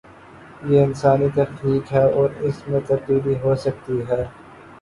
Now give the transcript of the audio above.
یہ انسانی تخلیق ہے اور اس میں تبدیلی ہو سکتی ہے۔